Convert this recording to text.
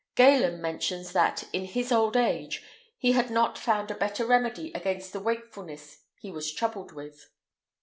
Galen mentions that, in his old age, he had not found a better remedy against the wakefulness he was troubled with.